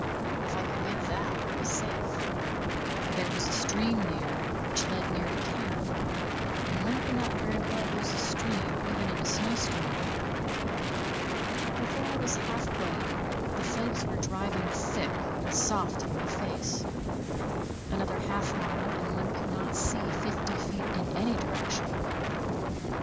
If I could make that, I was safe; for there was a stream near, which led near to camp; and one cannot very well lose a stream, even in a snowstorm. But before I was halfway the flakes were driving thick and soft in my face. Another half mile, and one could not see fifty feet in any direction.